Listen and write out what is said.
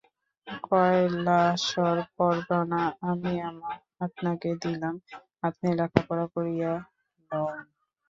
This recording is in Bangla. কয়লাসর পরগনা আমি আপনাকে দিলাম–আপনি লেখাপড়া করিয়া লউন।